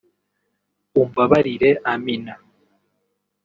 “Umbabarire Amina